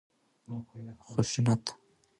خشونت